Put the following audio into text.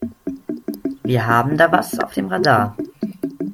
Wir haben da was auf dem Radar.